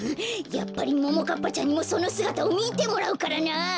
やっぱりももかっぱちゃんにもそのすがたをみてもらうからな！